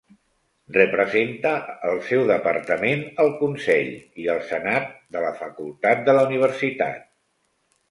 Representa el seu departament al Consell i al Senat de la facultat de la universitat.